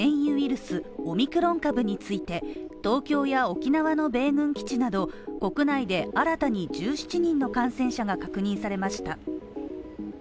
スオミクロン株について、東京や沖縄の米軍基地など国内で新たに１７の感染者が確認されました。